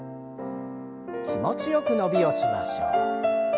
気持ちよく伸びをしましょう。